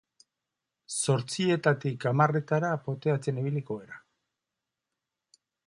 Zortzietatik hamarretara poteatzen ibiliko gara.